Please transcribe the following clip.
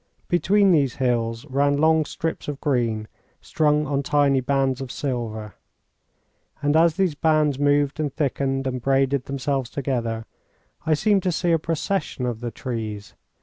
Between these hills ran long strips of green, strung on tiny bands of silver. And as these bands moved and thickened and braided themselves together, I seemed to see a procession of the trees.